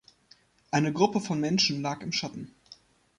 Eine Gruppe von Menschen lag im Schatten